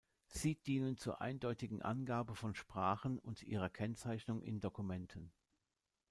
Sie dienen zur eindeutigen Angabe von Sprachen und ihrer Kennzeichnung in Dokumenten.